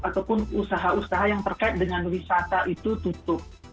ataupun usaha usaha yang terkait dengan wisata itu tutup